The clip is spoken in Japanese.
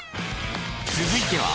［続いては］